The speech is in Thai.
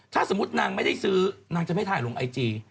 ถ้าสมมุตินางไม่ได้ซื้อนางจะไม่ถ่ายลงไอจี